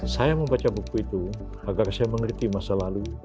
saya membaca buku itu agar saya mengerti masa lalu